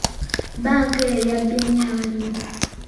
Bbanka eyo eyambye nnyo abalimi.